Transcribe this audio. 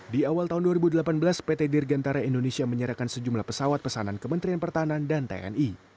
di awal tahun dua ribu delapan belas pt dirgantara indonesia menyerahkan sejumlah pesawat pesanan kementerian pertahanan dan tni